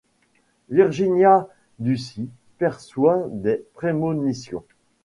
Virginia Ducci perçoit des prémonitions.